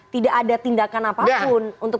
tidak ada tindakan apapun untuk